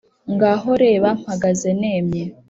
ngaho reba mpagaze nemye